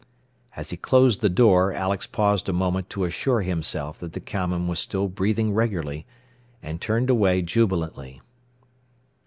As he closed the door, Alex paused a moment to assure himself that the cowman was still breathing regularly, and turned away jubilantly.